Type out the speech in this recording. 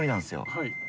はい。